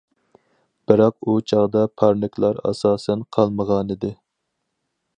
بىراق، ئۇ چاغدا پارنىكلار ئاساسەن قالمىغانىدى.